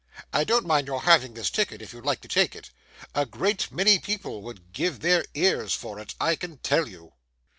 I don't mind your having this ticket, if you like to take it. A great many people would give their ears for it, I can tell you.